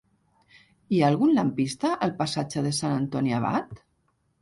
Hi ha algun lampista al passatge de Sant Antoni Abat?